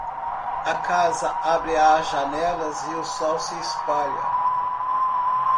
A casa abre as janelas e o sol se espalha.